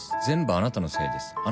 全部あなたのせいです。